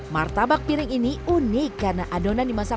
martabak piring ini unik karena adonan dimasak